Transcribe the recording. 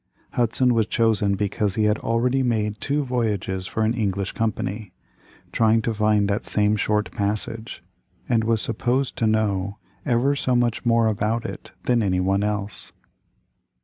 Hudson was chosen because he had already made two voyages for an English company, trying to find that same short passage, and was supposed to know ever so much more about it than anyone else.